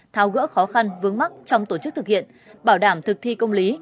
thao gỡ khó khăn vướng mắc trong tổ chức thực hiện bảo đảm thực thi công lý